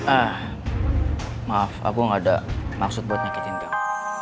ah maaf aku gak ada maksud buat nyakitin kamu